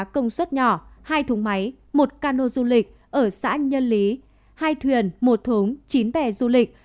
rất nhỏ hai thống máy một cano du lịch ở xã nhân lý hai thuyền một thống chín bè du lịch